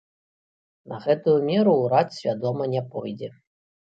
На гэтую меру ўрад свядома не пойдзе.